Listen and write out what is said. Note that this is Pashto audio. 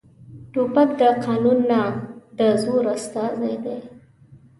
توپک د قانون نه، د زور استازی دی.